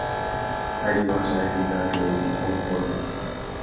埃及镑是埃及的流通货币。